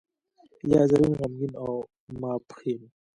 یا زرین، غمګین او ماپښین.